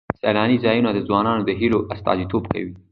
سیلاني ځایونه د ځوانانو د هیلو استازیتوب کوي.